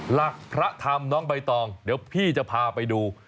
หลักพระธรรมน้องใบตองเดี๋ยวพี่จะพาไปดู